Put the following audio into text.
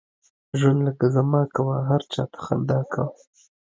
ژوند لکه زما کوه، هر چاته خندا کوه.